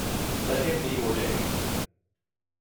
Let him be ordained.